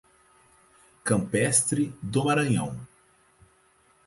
Campestre do Maranhão